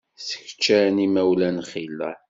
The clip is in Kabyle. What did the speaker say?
Seg ččan yimawlan xilla.